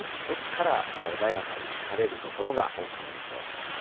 ですから穏やかに晴れる所が多くなりそうです。